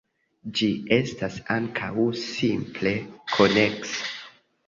Ĝi estas ankaŭ simple-koneksa.